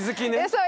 そう。